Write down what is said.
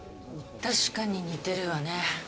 確かに似てるわね